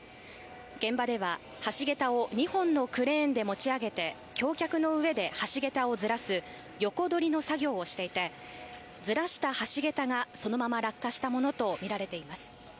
現場では橋桁を２本のクレーンで持ち上げて、橋脚の上で橋桁をずらす横どりの作業をしていてずらした橋桁がそのまま落下したものとみられています。